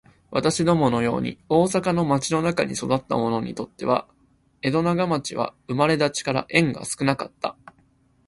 私どもの様に大阪の町の中に育つた者にとつては、江戸長唄は生れだちから縁が少かつた。